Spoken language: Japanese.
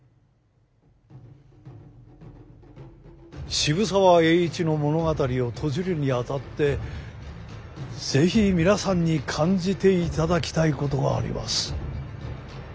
渋沢栄一の物語を閉じるにあたって是非皆さんに感じていただきたいことがあります。